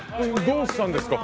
どうしたんですか？